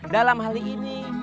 dalam hal ini